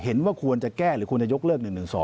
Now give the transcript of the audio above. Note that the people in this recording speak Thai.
เห็นว่าควรจะแก้หรือควรจะยกเลิก๑๑๒